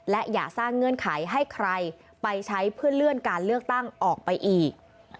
และอย่าสร้างเงื่อนไขให้ใครไปใช้เพื่อเลื่อนการเลือกตั้งออกไปอีก